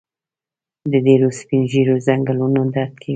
د ډيرو سپين ږيرو ځنګنونه درد کوي.